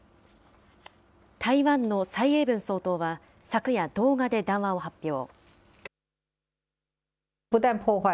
台湾の蔡英文総統は、昨夜、動画で談話を発表。